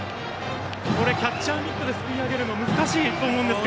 これキャッチャーミットですくい上げるの難しいですが。